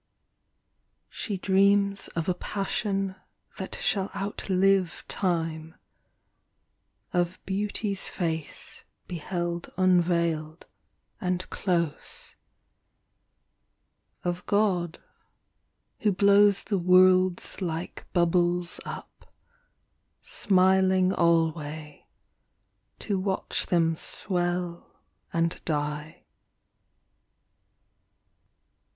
She dreams of a passion that shall outlive time, Of Beauty's face beheld unveiled and close, Of God Who blows the worlds like bubbles up, Smiling alway, to watch them swell and die.